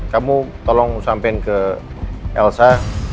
kamu tolong sampein ke elsa